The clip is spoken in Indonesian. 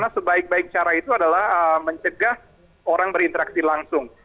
dan yang lain cara itu adalah mencegah orang berinteraksi langsung